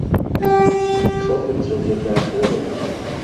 Ҳшоферцәа аӡәыр даахьоума?